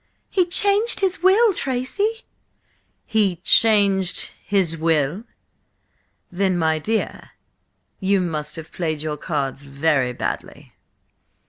"He changed his will, Tracy!" "He–changed–his–will! Then, my dear, must you have played your cards very badly!"